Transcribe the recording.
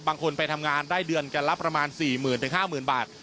บางคนไปทำงานได้เดือนกันละประมาณ๔๐๐๐๕๐๐บาท